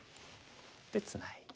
でツナいで。